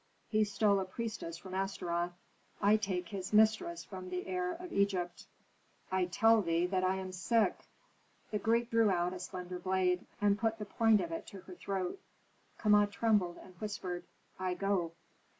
He stole a priestess from Astaroth, I take his mistress from the heir of Egypt." "I tell thee that I am sick." The Greek drew out a slender blade, and put the point of it to her throat. Kama trembled, and whispered, "I go."